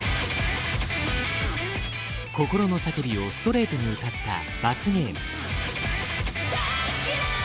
心の叫びをストレートに歌った「罰ゲーム」。